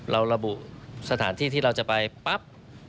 ระบุสถานที่ที่เราจะไปปั๊บ